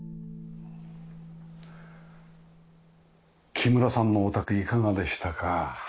木村さんのお宅いかがでしたか？